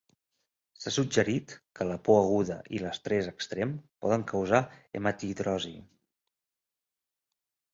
S'ha suggerit que la por aguda i l'estrès extrem poden causar hematidrosi.